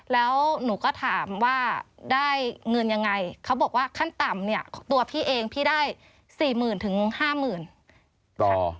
แล้วหนูก็ถามว่าได้เงินยังไงเขาบอกว่าขั้นต่ำเนี่ยตัวพี่เองพี่ได้๔๐๐๐๕๐๐บาท